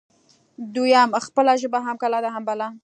دویم: خپله ژبه هم کلا ده هم بلا